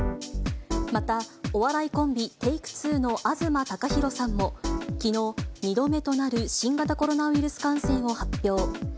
また、お笑いコンビ、Ｔａｋｅ２の東貴博さんもきのう、２度目となる新型コロナウイルス感染を発表。